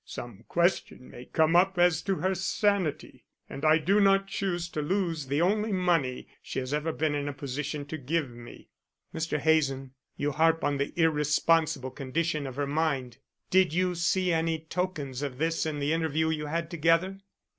Some question may come up as to her sanity, and I do not choose to lose the only money she has ever been in a position to give me." "Mr. Hazen, you harp on the irresponsible condition of her mind. Did you see any tokens of this in the interview you had together?"